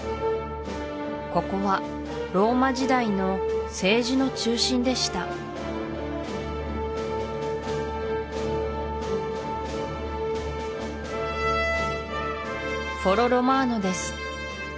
ここはローマ時代の政治の中心でしたフォロ・ロマーノです